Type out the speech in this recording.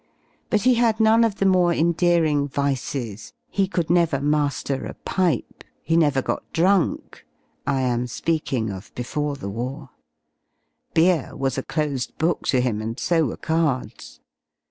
But he had none of the more endearing vices: he could never ma Her a pipe, \ he never got drunk{Iam speaking of before the war), beer was a I closed book to him, and so were cards.